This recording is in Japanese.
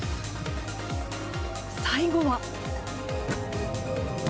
最後は。